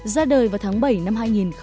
ra đời vào tháng bảy năm hai nghìn một mươi bốn